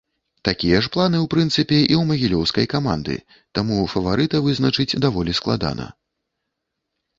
Такія ж планы ў прынцыпе і ў магілёўскай каманды, таму фаварыта вызначыць даволі складана.